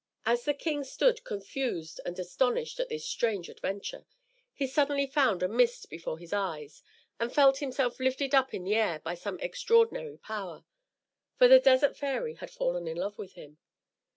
As the king stood confused and astonished at this strange adventure, he suddenly found a mist before his eyes, and felt himself lifted up in the air by some extraordinary power; for the Desert Fairy had fallen in love with him.